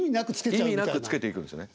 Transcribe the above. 意味なくつけていくんですよね。